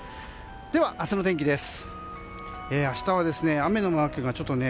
では、明日の天気です。